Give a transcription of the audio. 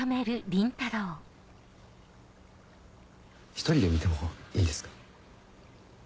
１人で見てもいいですか？